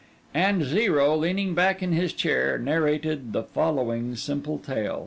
And Zero, leaning back in his chair, narrated the following simple tale.